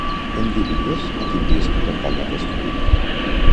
Em diries a quin disc pertany aquest hit?